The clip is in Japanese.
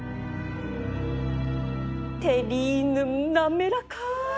テリーヌ滑らか